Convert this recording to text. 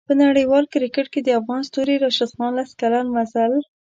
په نړیوال کریکټ کې د افغان ستوري راشد خان لس کلن مزل